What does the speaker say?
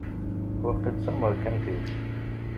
Waqil d tameṛkantit.